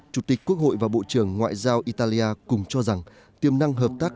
chủ tịch quốc hội và bộ trưởng ngoại giao italia cùng cho rằng tiềm năng hợp tác